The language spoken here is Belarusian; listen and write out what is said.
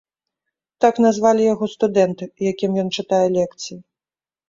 Так назвалі яго студэнты, якім ён чытае лекцыі.